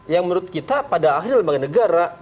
yang menurut kita pada akhirnya lembaga negara